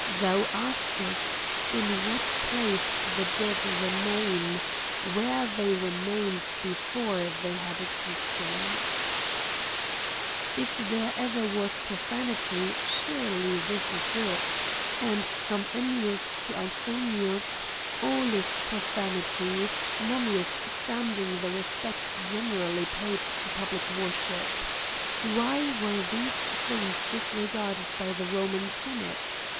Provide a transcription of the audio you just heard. Thou askest^ in what place the dead remain ?— where they remained be fore they had existence,'^'' If there ever was profanity, surely this is it ; and, from Ennius to Ausonius, all is profanity, notwithstanding the respect generally paid to pub lic worship. Why were these things disregarded by the Roman senate